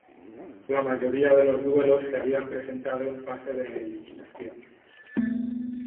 La mayoría de los duelos se habían presentado en fase de eliminación.